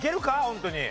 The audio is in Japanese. ホントに。